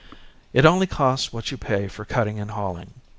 It only costs what you pay for cutting and hauling.